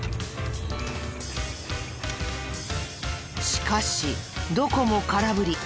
しかしどこも空振り。